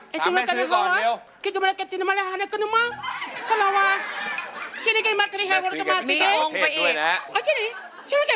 ถามแม่ซื้อก่อนเร็วเร็วถามแม่ซื้อก่อนเร็ว